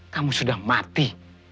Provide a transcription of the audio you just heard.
kamu sudah mati